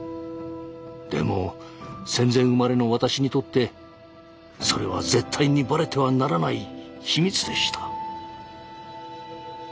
でも戦前生まれの私にとってそれは絶対にバレてはならない秘密でした。